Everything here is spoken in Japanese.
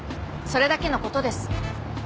それだけの事です。